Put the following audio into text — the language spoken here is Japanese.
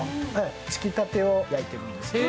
つきたてを焼いてるんです。